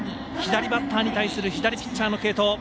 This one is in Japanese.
左バッターに対する左ピッチャーの継投。